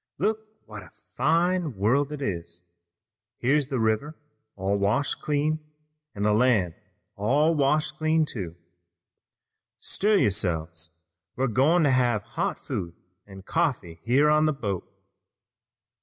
"Look what a fine world it is! Here's the river all washed clean, an' the land all washed clean, too! Stir yourselves, we're goin' to have hot food an' coffee here on the boat.